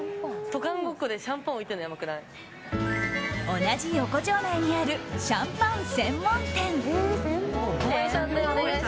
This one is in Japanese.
同じ横丁内にあるシャンパン専門店。